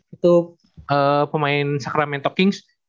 itu pemain sacramento kings